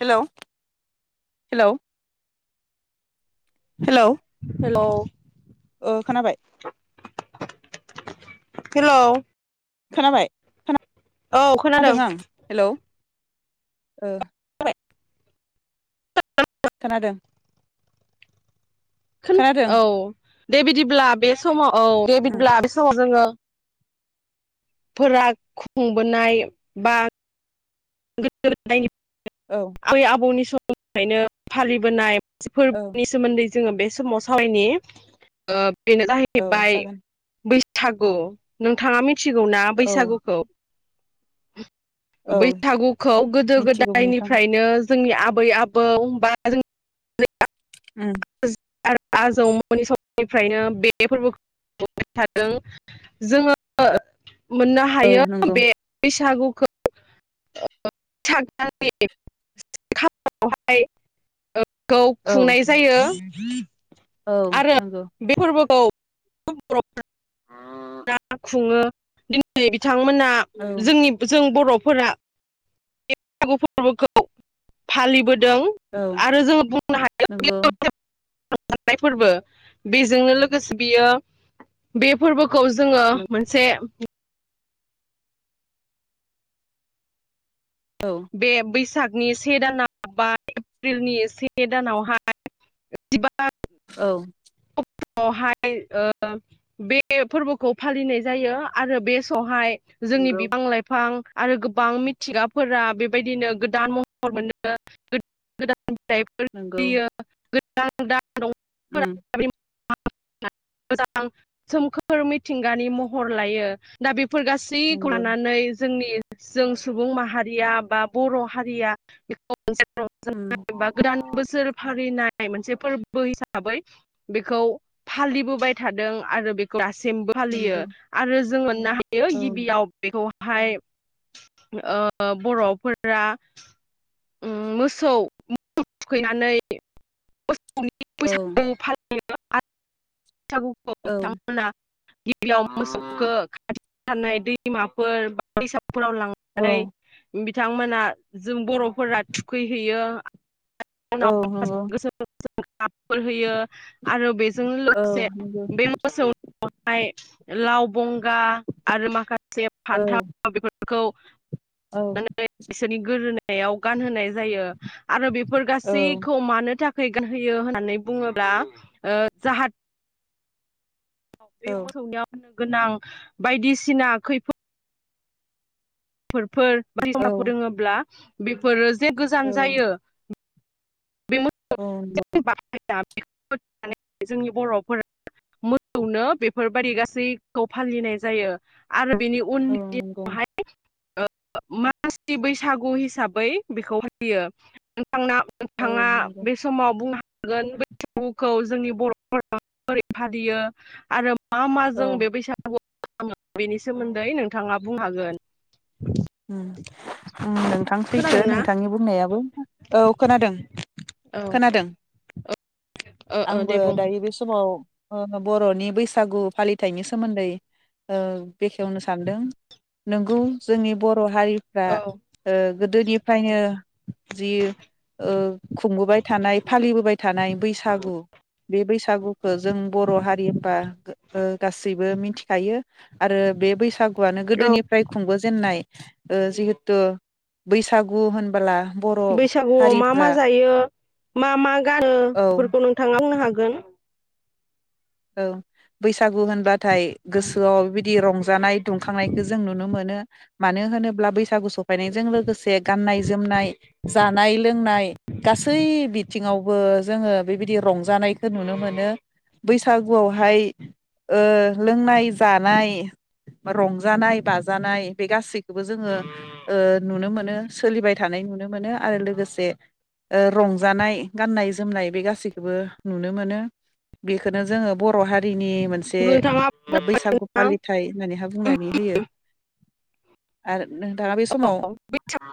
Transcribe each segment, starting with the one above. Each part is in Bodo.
हेलौ हेलौ हेलौ हेलौ ओ खोनाबाय हेलौ खोनाबाय औ खोनादों औ खोनादों खोनादों औ दे बिदिब्ला बे समाव औ बे उम बिदिब्ला बे समाव जोङो फोरा खुंबोनाय बा गोद गो दायनि औ आबै आबौनि सम फ्रायनो फालिबोनाय औ फोरबोनि सोमोन्दै जोङो बे समाव सावरायनि ओ बेनो औ जाहैबाय जागोन बैस थागु नोंथाङा मि मिथिगौ ना औ बैसागुखौ औ गुखौ गोदो मिथिगौ नोंथां गोदायनिफ्रायनो जोंनि आबै आबौ बा जों उम आरो आजौमोननि समनिफ्रायनो बे फोरबोखौबाय थादों जोङो। मोननो औ हायो नंगौ बेस थागुखो [unintelligible] खौ औ खुंनाय जायो औ आरो नंगौ बे फोरबोखौ [unintelligible] औ ना खुङो दिनै बिथांमोना जोंनि जों बर' फोरा बैसागु फोरबोखौ फालिबोदों औ आरो जों बुंनो नंगौ हायो। नाय फोरबो बेजोंनो लोगोसे बियो बे फोरबोखौ जोङो मोनसे औ बे बैसाग नि से दानाव बा एप्रिलनि से दानावहाय जिबा औ [unintelligible] हाय ओ बे फोर्बोखौ फालिनाय जायो। आरो बे सहाय जोंनि नंगौ बिफां लाइफां आरो गोबां मिथिंगाफोरा बेबायदिनो गोदान महर [unintelligible] मोनो गोद-गोदान [inaudible] गो नंगौ [unintelligible] दा दं [unintelligible] फोरा उम आ [unintelligible] बिम [unintelligible] मोजां सोमखोर मिथिंगानि महर लायो। दा बे फोर गासैखौ नंगौ लानानै जोंनि जों सुबुं माहारिया बा बर' हारिया बेखौ मोनसे उम रंजानाय बा गोदान बोसोर फालिनाय नाय मोनसे फोर्बो हिसाबै बेखौ फालिबोबाय थादों आरो बेखौ दा सिमबो फालियो। नंगौ आरो जों मोननो हायो औ गिबियाव बेखौ हाय ओ बर' फोरा उम मोसौ [unintelligible] थुखैनानै [unintelligible] [unintelligible] औ बैसागु फा [inaudible] बैसागुखौ औ बिथांमोना गिबियाव मोसौखो खा [unintelligible] थानाय दैमाफोर बा दैसा फोराव औ लांनानै बि थांमोना जों बर'फोरा थुखैहैयो। [inaudible] [inaudible] औ नंगौ [unintelligible] फोर होयो आरो बेजों औ लोगोसे नंगौ बे मोसौ [unintelligible] खौहाय लाव बंगा आरो माखा से औ फान्थाव बेफोर खौ औ माने बिसोरनि गोदोना याव गानहोनाय जायो। आरो बेफोर औ गासैखौ मानो था थाखाय [unintelligible] होयो होननानै बुङोब्ला ओ जाहा बे मोसौनियाव गोनां बायदिसिना खैफोद फोरफोर औ [unintelligible] रोङोब्ला बेफोरो जे औ गोजान जायो औ [unintelligible] दा [unintelligible] जोंनि बर'फोरा मोसौनो बेफोरबायदि गासैखौ फालिनाय जायो आरो बिनि उन औ नंगौ दिनावहाय मानसि बैसागु हिसाबै बेखौ होयो थांना औ नोथाङा नंगौ बेस बुंनो हागोन बैसागुखौ जोंनि बर'फोरा माबोरै फालियो आरो मा मा औ जों बे बैसागुआव बेनि सोमोन्दै नोंथाङा बुंनो हागोन उम उम नोंथां सैथो खोनादोंना नोंथांनि बुंनायाबो औ खोनादों औ खोनादों औ आंबो दायो बे समाव बर'नि बैसागु फालिथाइनि सोमोन्दै बेखेवनो सानदों नोंगौ जोंनि बर' हारिफ्रा औ गोदोनिफ्रायनो जि खुंबोबाय थानाय फालिबोबाय थानाय बैसागु औ बे बैसागुखौ जों बर' हारि होनबा गासैबो मिथिखायो आरो बे बैसागु आनो औ गोदोनिफ्राय खुंबो होन्नाय जिहेथु बैसागु होन बैसागुआव मा मा जायो मा मा गानो औ बेफोरखौ नोंथाङा होननो बुंनो हागोन औ बैसागु होनबाथाय गोसोआव बिबायदि रंजानाय दुंखांनायखौ जों नुनो मोनो मानो होनोब्ला बैसागु सफैनायजों लोगोसे गाननाय जोमनाय जानाय लोंनाय गासै बिथिङावबो जोङो बेबायदि रंजानायखौ नुनो मोनो बैसागुआवहाय ओ लोंनाय जानाय रंजानाय बाजानाय बे गासैखौबो जोङो ओ नुनो मोनो सोलिबाय थानाय नुनो मोनो आरो लोगोसे रंजानाय गाननाय जोमनाय बे गासैखौबो नुनो मोनो बेखौनो जोङो बर' हारिनि मोनसे नोंथाङा औ बा बैसागु फालिथाय होननानैहा बुंनानै होयो आरो नोंथाङा बे समाव बैसागु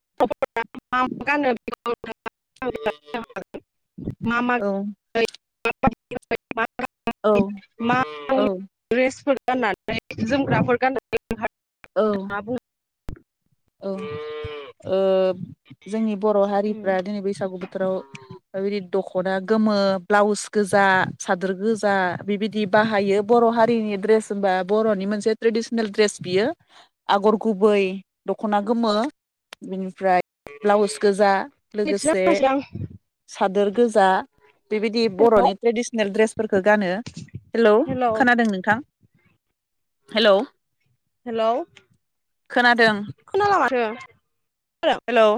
[unintelligible] [unintelligible] मा औ। [unintelligible] औ मा औ। द्रेसफोर गाननानै जोमग्राफोर गाननानै नोंहा औ नोंथाङा बुंनो औ ओ जोंनि बर' हारिफ्रा दिनै बैसागु बोथोराव बेबायदि दख'ना गोमो ब्लाउस गोजा सादोर गोजा बिबायदि बाहायो बर' हारिनि ड्रेस होमबा बर'नि मोनसे ट्रेडिसनेल ड्रेस बियो आगर गुबै दख'ना गोमो बिनिफ्राय ब्लाउस गोजा लोगोसे सादोर गोजा। बेबायदि हेलौ बर'नि ट्रेडिसनेल दड्रेसफोरखो गानो हेलौ खोनादों नोंथां। हेलौ। हेलौ। खोनादों खोनाला माथो। हेलौ।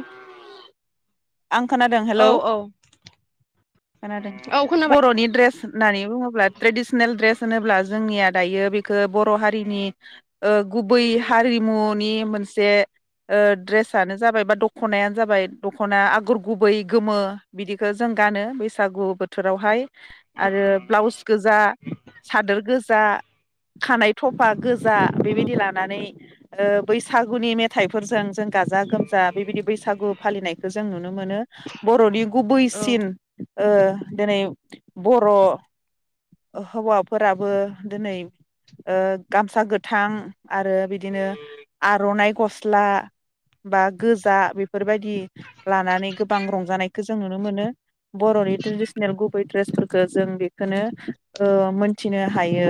आं खोनादों औ हेलौ औ खोनादों औ खोनाबाय बर'नि ड्रेस होननानै बुङोब्ला ट्रेडसनेल द्रेस होनोब्ला जोंनिया दायो बेखो बर' हारिनि ओ गुबै हारिमुनि मोनसे ओ द्रेसानो जाबाय बा दख'नायानो जाबाय दख'नाय आगर गुबै गोमो बिदिखो जों गानो बैसागु बोथोरावहाय। आरो ब्लाउस गोजा सादोर गोजा खानाय थफा गो‌ जा उम बेबायदि लानानै ओ बैसागुनि मेथाइफोरजों जों गाजा गोम जा बेबादि बैसागु फालिनायखौ जों नुनो मोनो बर'नि औ गुबैसिन ओ दिनै बर' हौवाफोराबो दोनै गामसा गोथां आरो बिदिनो आर'नाइ गस्ला बा गोजा बे फोरबायदि लानानै गोबां रंजानायखो जों नुनो मोनो। बर'नि ट्रेडिसनेल गुबै द्रेसफोरखो जों बेखोनो ओ मोनथिनो हायो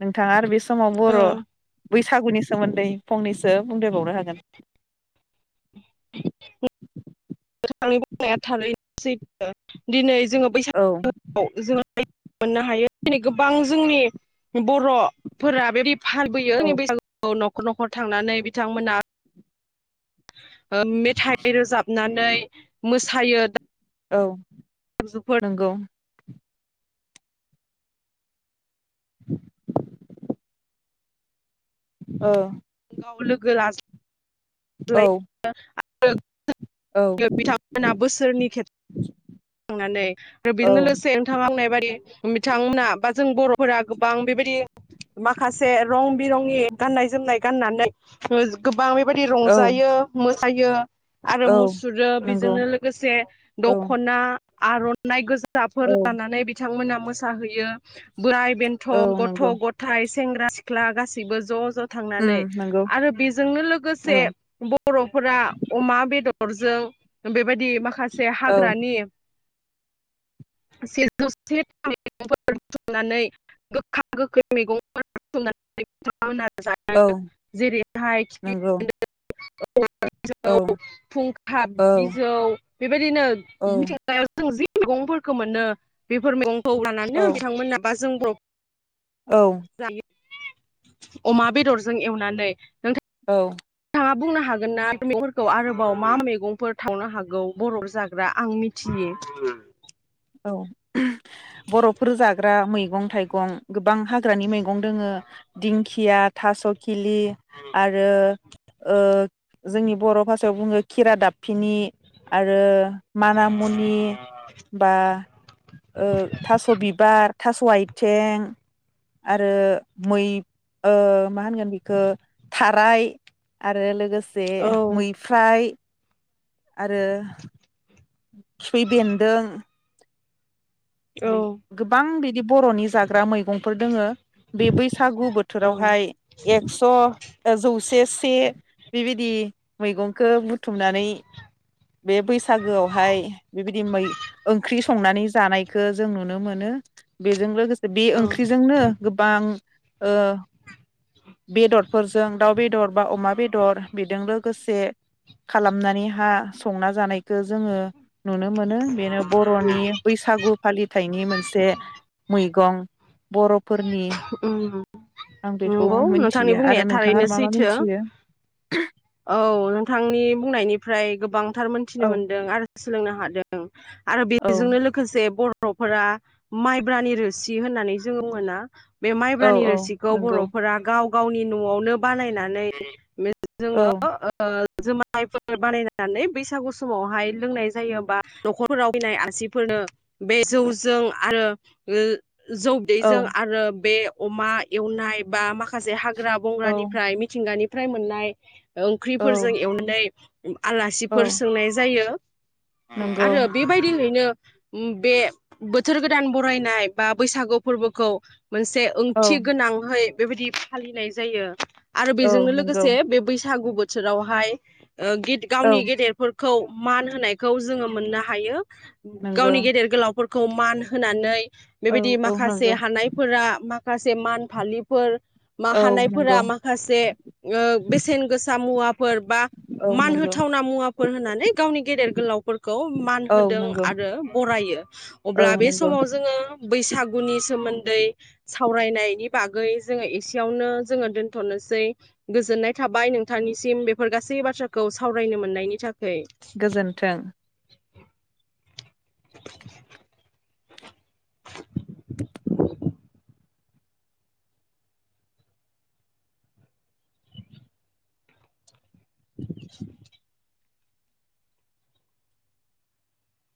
नोंथाङा आरो बे समाव बर' नोंथांनि बैसागुनि सोमोन्दै फंनैसो बुंदायबावनो हागोन। नों बुंनाया थारैनो। [unintelligible] दिनै। जोङो औ बैसागुआव जोङो मोननो हायो दिनै गोबां जोंनि। बर'फोरा बेदि। फालिबोयो औ जोंनि बैसागुखौ न'खर। न'खर न'खर थांनानै बिथांमोना। [inaudible] मेथाइ रोजाबनानै। मोसायो दा? औ। नंगौ। [inaudible] औ। गाव लोगो ला। औ आरो औ बिथांमोना बोसोरनि खे थांनानै आरो औ बेजों लोगोसे नोंथाङा आंनाय बादि। बिथांमोना बा जों बर'फोरा गोबां बेबायदि माखासे रं बिरंि गाननाय जोमनाय। गाननानै गोबां। औ रंजायो। हायो। आरो औ मुसुरो नंगौ बेजोंनो लोगोसे औ दखना आरना नायज। फिाफोर औ लानानै बिथांमोना। मोसाहैयो। बोराय बेन्थ' औ गथ' नंगौ गथायाइ सेंग्रा सिख्ला गासैबो ज' ज'। उम नंगौ बेजोंनो लोगोसे औ बर'फोरा अमा बेदर। हरजों बे बेबायाददि माखासे औ हाग्रानि। ेजौसेैग बुथुमनानै गोखा गोखै मैगंफोरनानै। औ जेरैहाय नंगौ खिफ औव औ जौ फुंखा औ बिज जौ। बेदिनो मि। औ जों जि मैगंफोरखौ मोनो बेफोर मैगं लानानै बिथांमोनि बास जोंबो औ ने अमा बेदरजों एवनानै नों औ थाङा बुंनो हागोनना बेफोर मैगंफोरखौ आरोबाव मा मैगंफोर थावनो हागौ बरफ जाग्रा आं मिथियो औ बर'फोर जाग्रा मैगं थाइगं गोबां हाग्रानि मैगं दोङो दिंखिया थास' खिलि आरो ओ जोंनि बर' भास याव बुङो खिरा दाबफिनि आरो माना मुनि। बा ओ थास' बिबार। थास'आइथें आरो मै ओ मा होनगोन बेखो थाराय आरो लोगोस जे औ मैफ्राय आरो खिफि बेन्दों औ बे गोबां बिद दि बर'नि जाग्रा मैग गंफोर दोङो बे बैसागु औ बोथोरावहाय एकस ओ जौस से से बेबायदि मैगंखो बुथुमनानै बे बैसागोआवहाय बेबायदि मै ओंख्रि संनानै जानाय खो जों नुनो मोनो बेजों लोगोस बे औ ओंख्रिजोंनो गोबां ओ बेदरफोरजों दाउ बेदर बा अमा बेदर बेदों लोगोसे खालामनानै हा संना जानायखौ जोङो नुनो मोनो बेनो बर'नि बैसागु फालि फिथाइनि मोनसे मै गं बर' फोरनि उम नंगौ नोंथांनि बुंनाया नोंथाङा थारैनो आरो मा मा सैथो मिथियो औ नोंथांनि बुंनायनिफ्राय गोबांथारमोन थिनो औ मोनदों आरो सोलोंनो हादों। आरो औ बेजोंनो लोगोसे बर बर'फोरा माइब्रानि रोसि होननानै जोङो मोना बे औ माइब्रानि औ रोसिखौ नंगौ बर'फोरा गाव गावनि न'आवनो बानायनानै बे औ जोङो ओ जुमायफोर बानायनानै बैसागु समावहाय लोंनाय जायो बा न'खरफोराव फैनाय आसिफोरनो बे जौजों आरो गो औ जौदैजों आरोब बे अमा एवनाय बा माखासे हा ग्रा औ बंग्रानिफ्राय मिथिंगानि फ्राय मोननाय ओंख्रिफोरजों औ एवनाय औ आलासिफोर सोंनाय जायो नंगौ आरो बेबायदियैनो बे बो बोथोर गोदान बरायनाय बा बैसागु फोरबोखौ मोनसे औ ओंथि गोनांहै बेबायदि फालिनाय जायो। आरो औ बेजोंनो नंगौ लोगोसे बे बैसागु बो बोथोरावहाय ओ गिद औ गावनि गेदेरफोर खौ मान होनायखौ जोङो मोननो हायो नंगौ गावनि गेदेर गोलावफोर खौ मान होनानै औ बेबायदि औ नंगौ माखासे हानाय फ्रा माखासे मान फालिफोर मा औ हानायफोरा नंगौ माखासे ओ बेसेन गोसा मुवा फोर बा औ मान नंगौ होथावना मुवाफोर होनानै गावनि गेदेर गोलावफोरखौ मान औ होदों नंगौ आरो बरायो औ अब्ला बे नंगौ समाव जोङो बैस फागुनि सोमोन्दै सावरायनायनि बागै जोङो एसेयावनो जोङो दोनथनोसै गोजोननाय थाबाय नोंथांनिसिम बेफोर गासै बाथ्राखौ सावरायनो मोननायनि थाख गोजोन्थों । [inaudible] [inaudible]